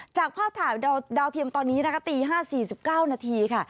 จากภาพถ่ายดาวเทียมตอนนี้นะคะตี๕๔๙นาทีค่ะ